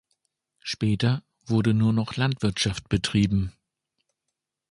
Später wurde nur noch Landwirtschaft betrieben.